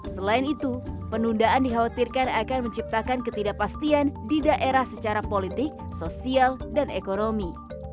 selain itu penundaan dikhawatirkan akan menciptakan ketidakpastian di daerah secara politik sosial dan ekonomi